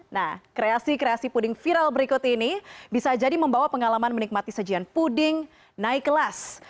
nah kreasi kreasi puding viral berikut ini bisa jadi membawa pengalaman menikmati sajian puding naik kelas